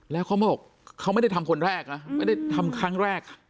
แล้วเขามาบอกเขาไม่ได้ทำคนแรกนะไม่ได้ทำครั้งแรก